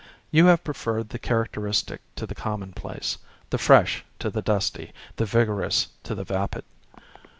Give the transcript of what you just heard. You have preferred the characteristic to the commonplace, the fresh to the dusty, the vigorous to the vapid.